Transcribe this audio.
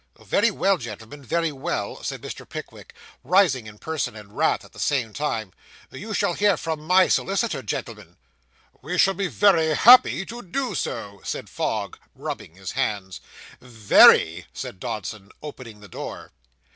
'Very well, gentlemen, very well,' said Mr. Pickwick, rising in person and wrath at the same time; 'you shall hear from my solicitor, gentlemen.' 'We shall be very happy to do so,' said Fogg, rubbing his hands. 'Very,' said Dodson, opening the door.